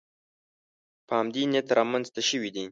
په همدې نیت رامنځته شوې دي